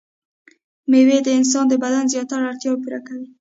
مېوې د انسان د بدن زياتره اړتياوې پوره کوي.